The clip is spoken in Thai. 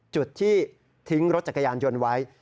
จุดที่ทิ้งรถจักรยานยนต์ไว้